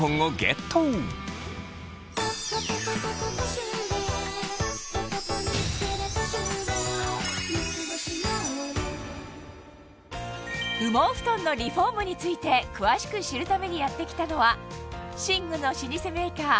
しかもさらに今日はをゲット羽毛ふとんのリフォームについて詳しく知るためにやってきたのは寝具の老舗メーカー